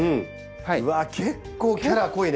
うわっ結構キャラ濃いね！